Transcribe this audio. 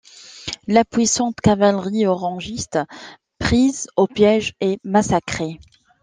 La puissante cavalerie orangiste, prise au piège, est massacrée.